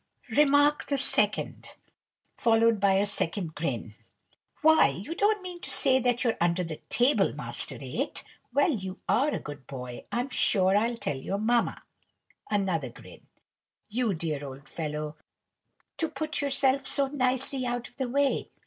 Remark the second, followed by a second grin. "Why, you don't mean to say that you're under the table, Master No. 8? Well you are a good boy! I'm sure I'll tell your mamma." Another grin. "You dear old fellow, to put yourself so nicely out of the way!